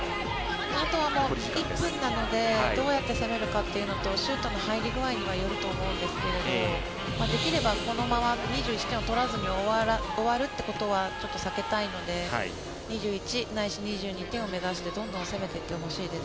本当は１分なのでどうやって攻めるのかというのとシュートの入り具合にはよると思うんですができればこのまま２１点を取らずに終わるっていうことは避けたいので２１、ないし２２点を目指してどんどん攻めていってほしいです。